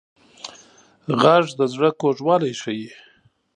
غږ د زړه کوږوالی ښيي